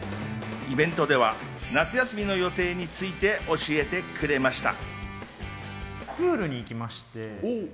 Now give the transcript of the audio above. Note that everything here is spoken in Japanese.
イベントでは夏休みの予定について教えてくれました。